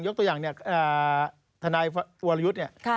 ตัวอย่างเนี่ยทนายวรยุทธ์เนี่ย